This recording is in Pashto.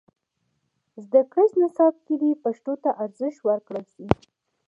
زدهکړیز نصاب کې دې پښتو ته ارزښت ورکړل سي.